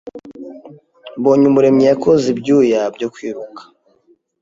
Mbonyumuremyi yakoze ibyuya byo kwiruka.